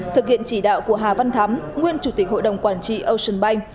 thực hiện chỉ đạo của hà văn thắm nguyên chủ tịch hội đồng quản trị ocean bank